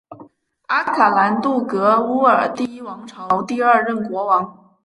阿卡兰杜格乌尔第一王朝第二任国王。